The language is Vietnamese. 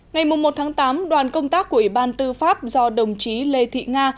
ngày một tám đoàn công tác của ủy ban tư pháp do đồng chí lê thị nga